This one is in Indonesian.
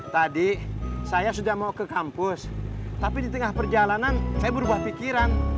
tadi saya sudah mau ke kampus tapi di tengah perjalanan saya berubah pikiran